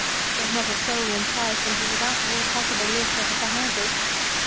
There was not a soul in sight, and he was out of all possible earshot of the houses.